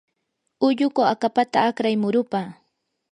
ulluku akapata akray murupa.